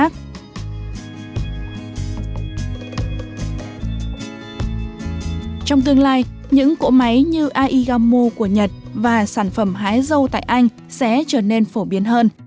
trong tương lai những cỗ máy như aigamo của nhật và sản phẩm hái dâu tại anh sẽ trở nên phổ biến hơn